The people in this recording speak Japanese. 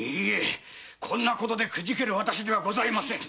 こんな事でくじける私ではございません。